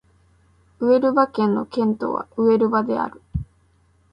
ウエルバ県の県都はウエルバである